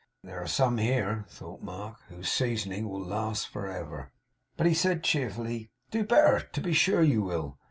'There are some here,' thought Mark 'whose seasoning will last for ever.' But he said cheerfully, 'Do better! To be sure you will.